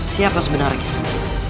siapa sebenarnya kisana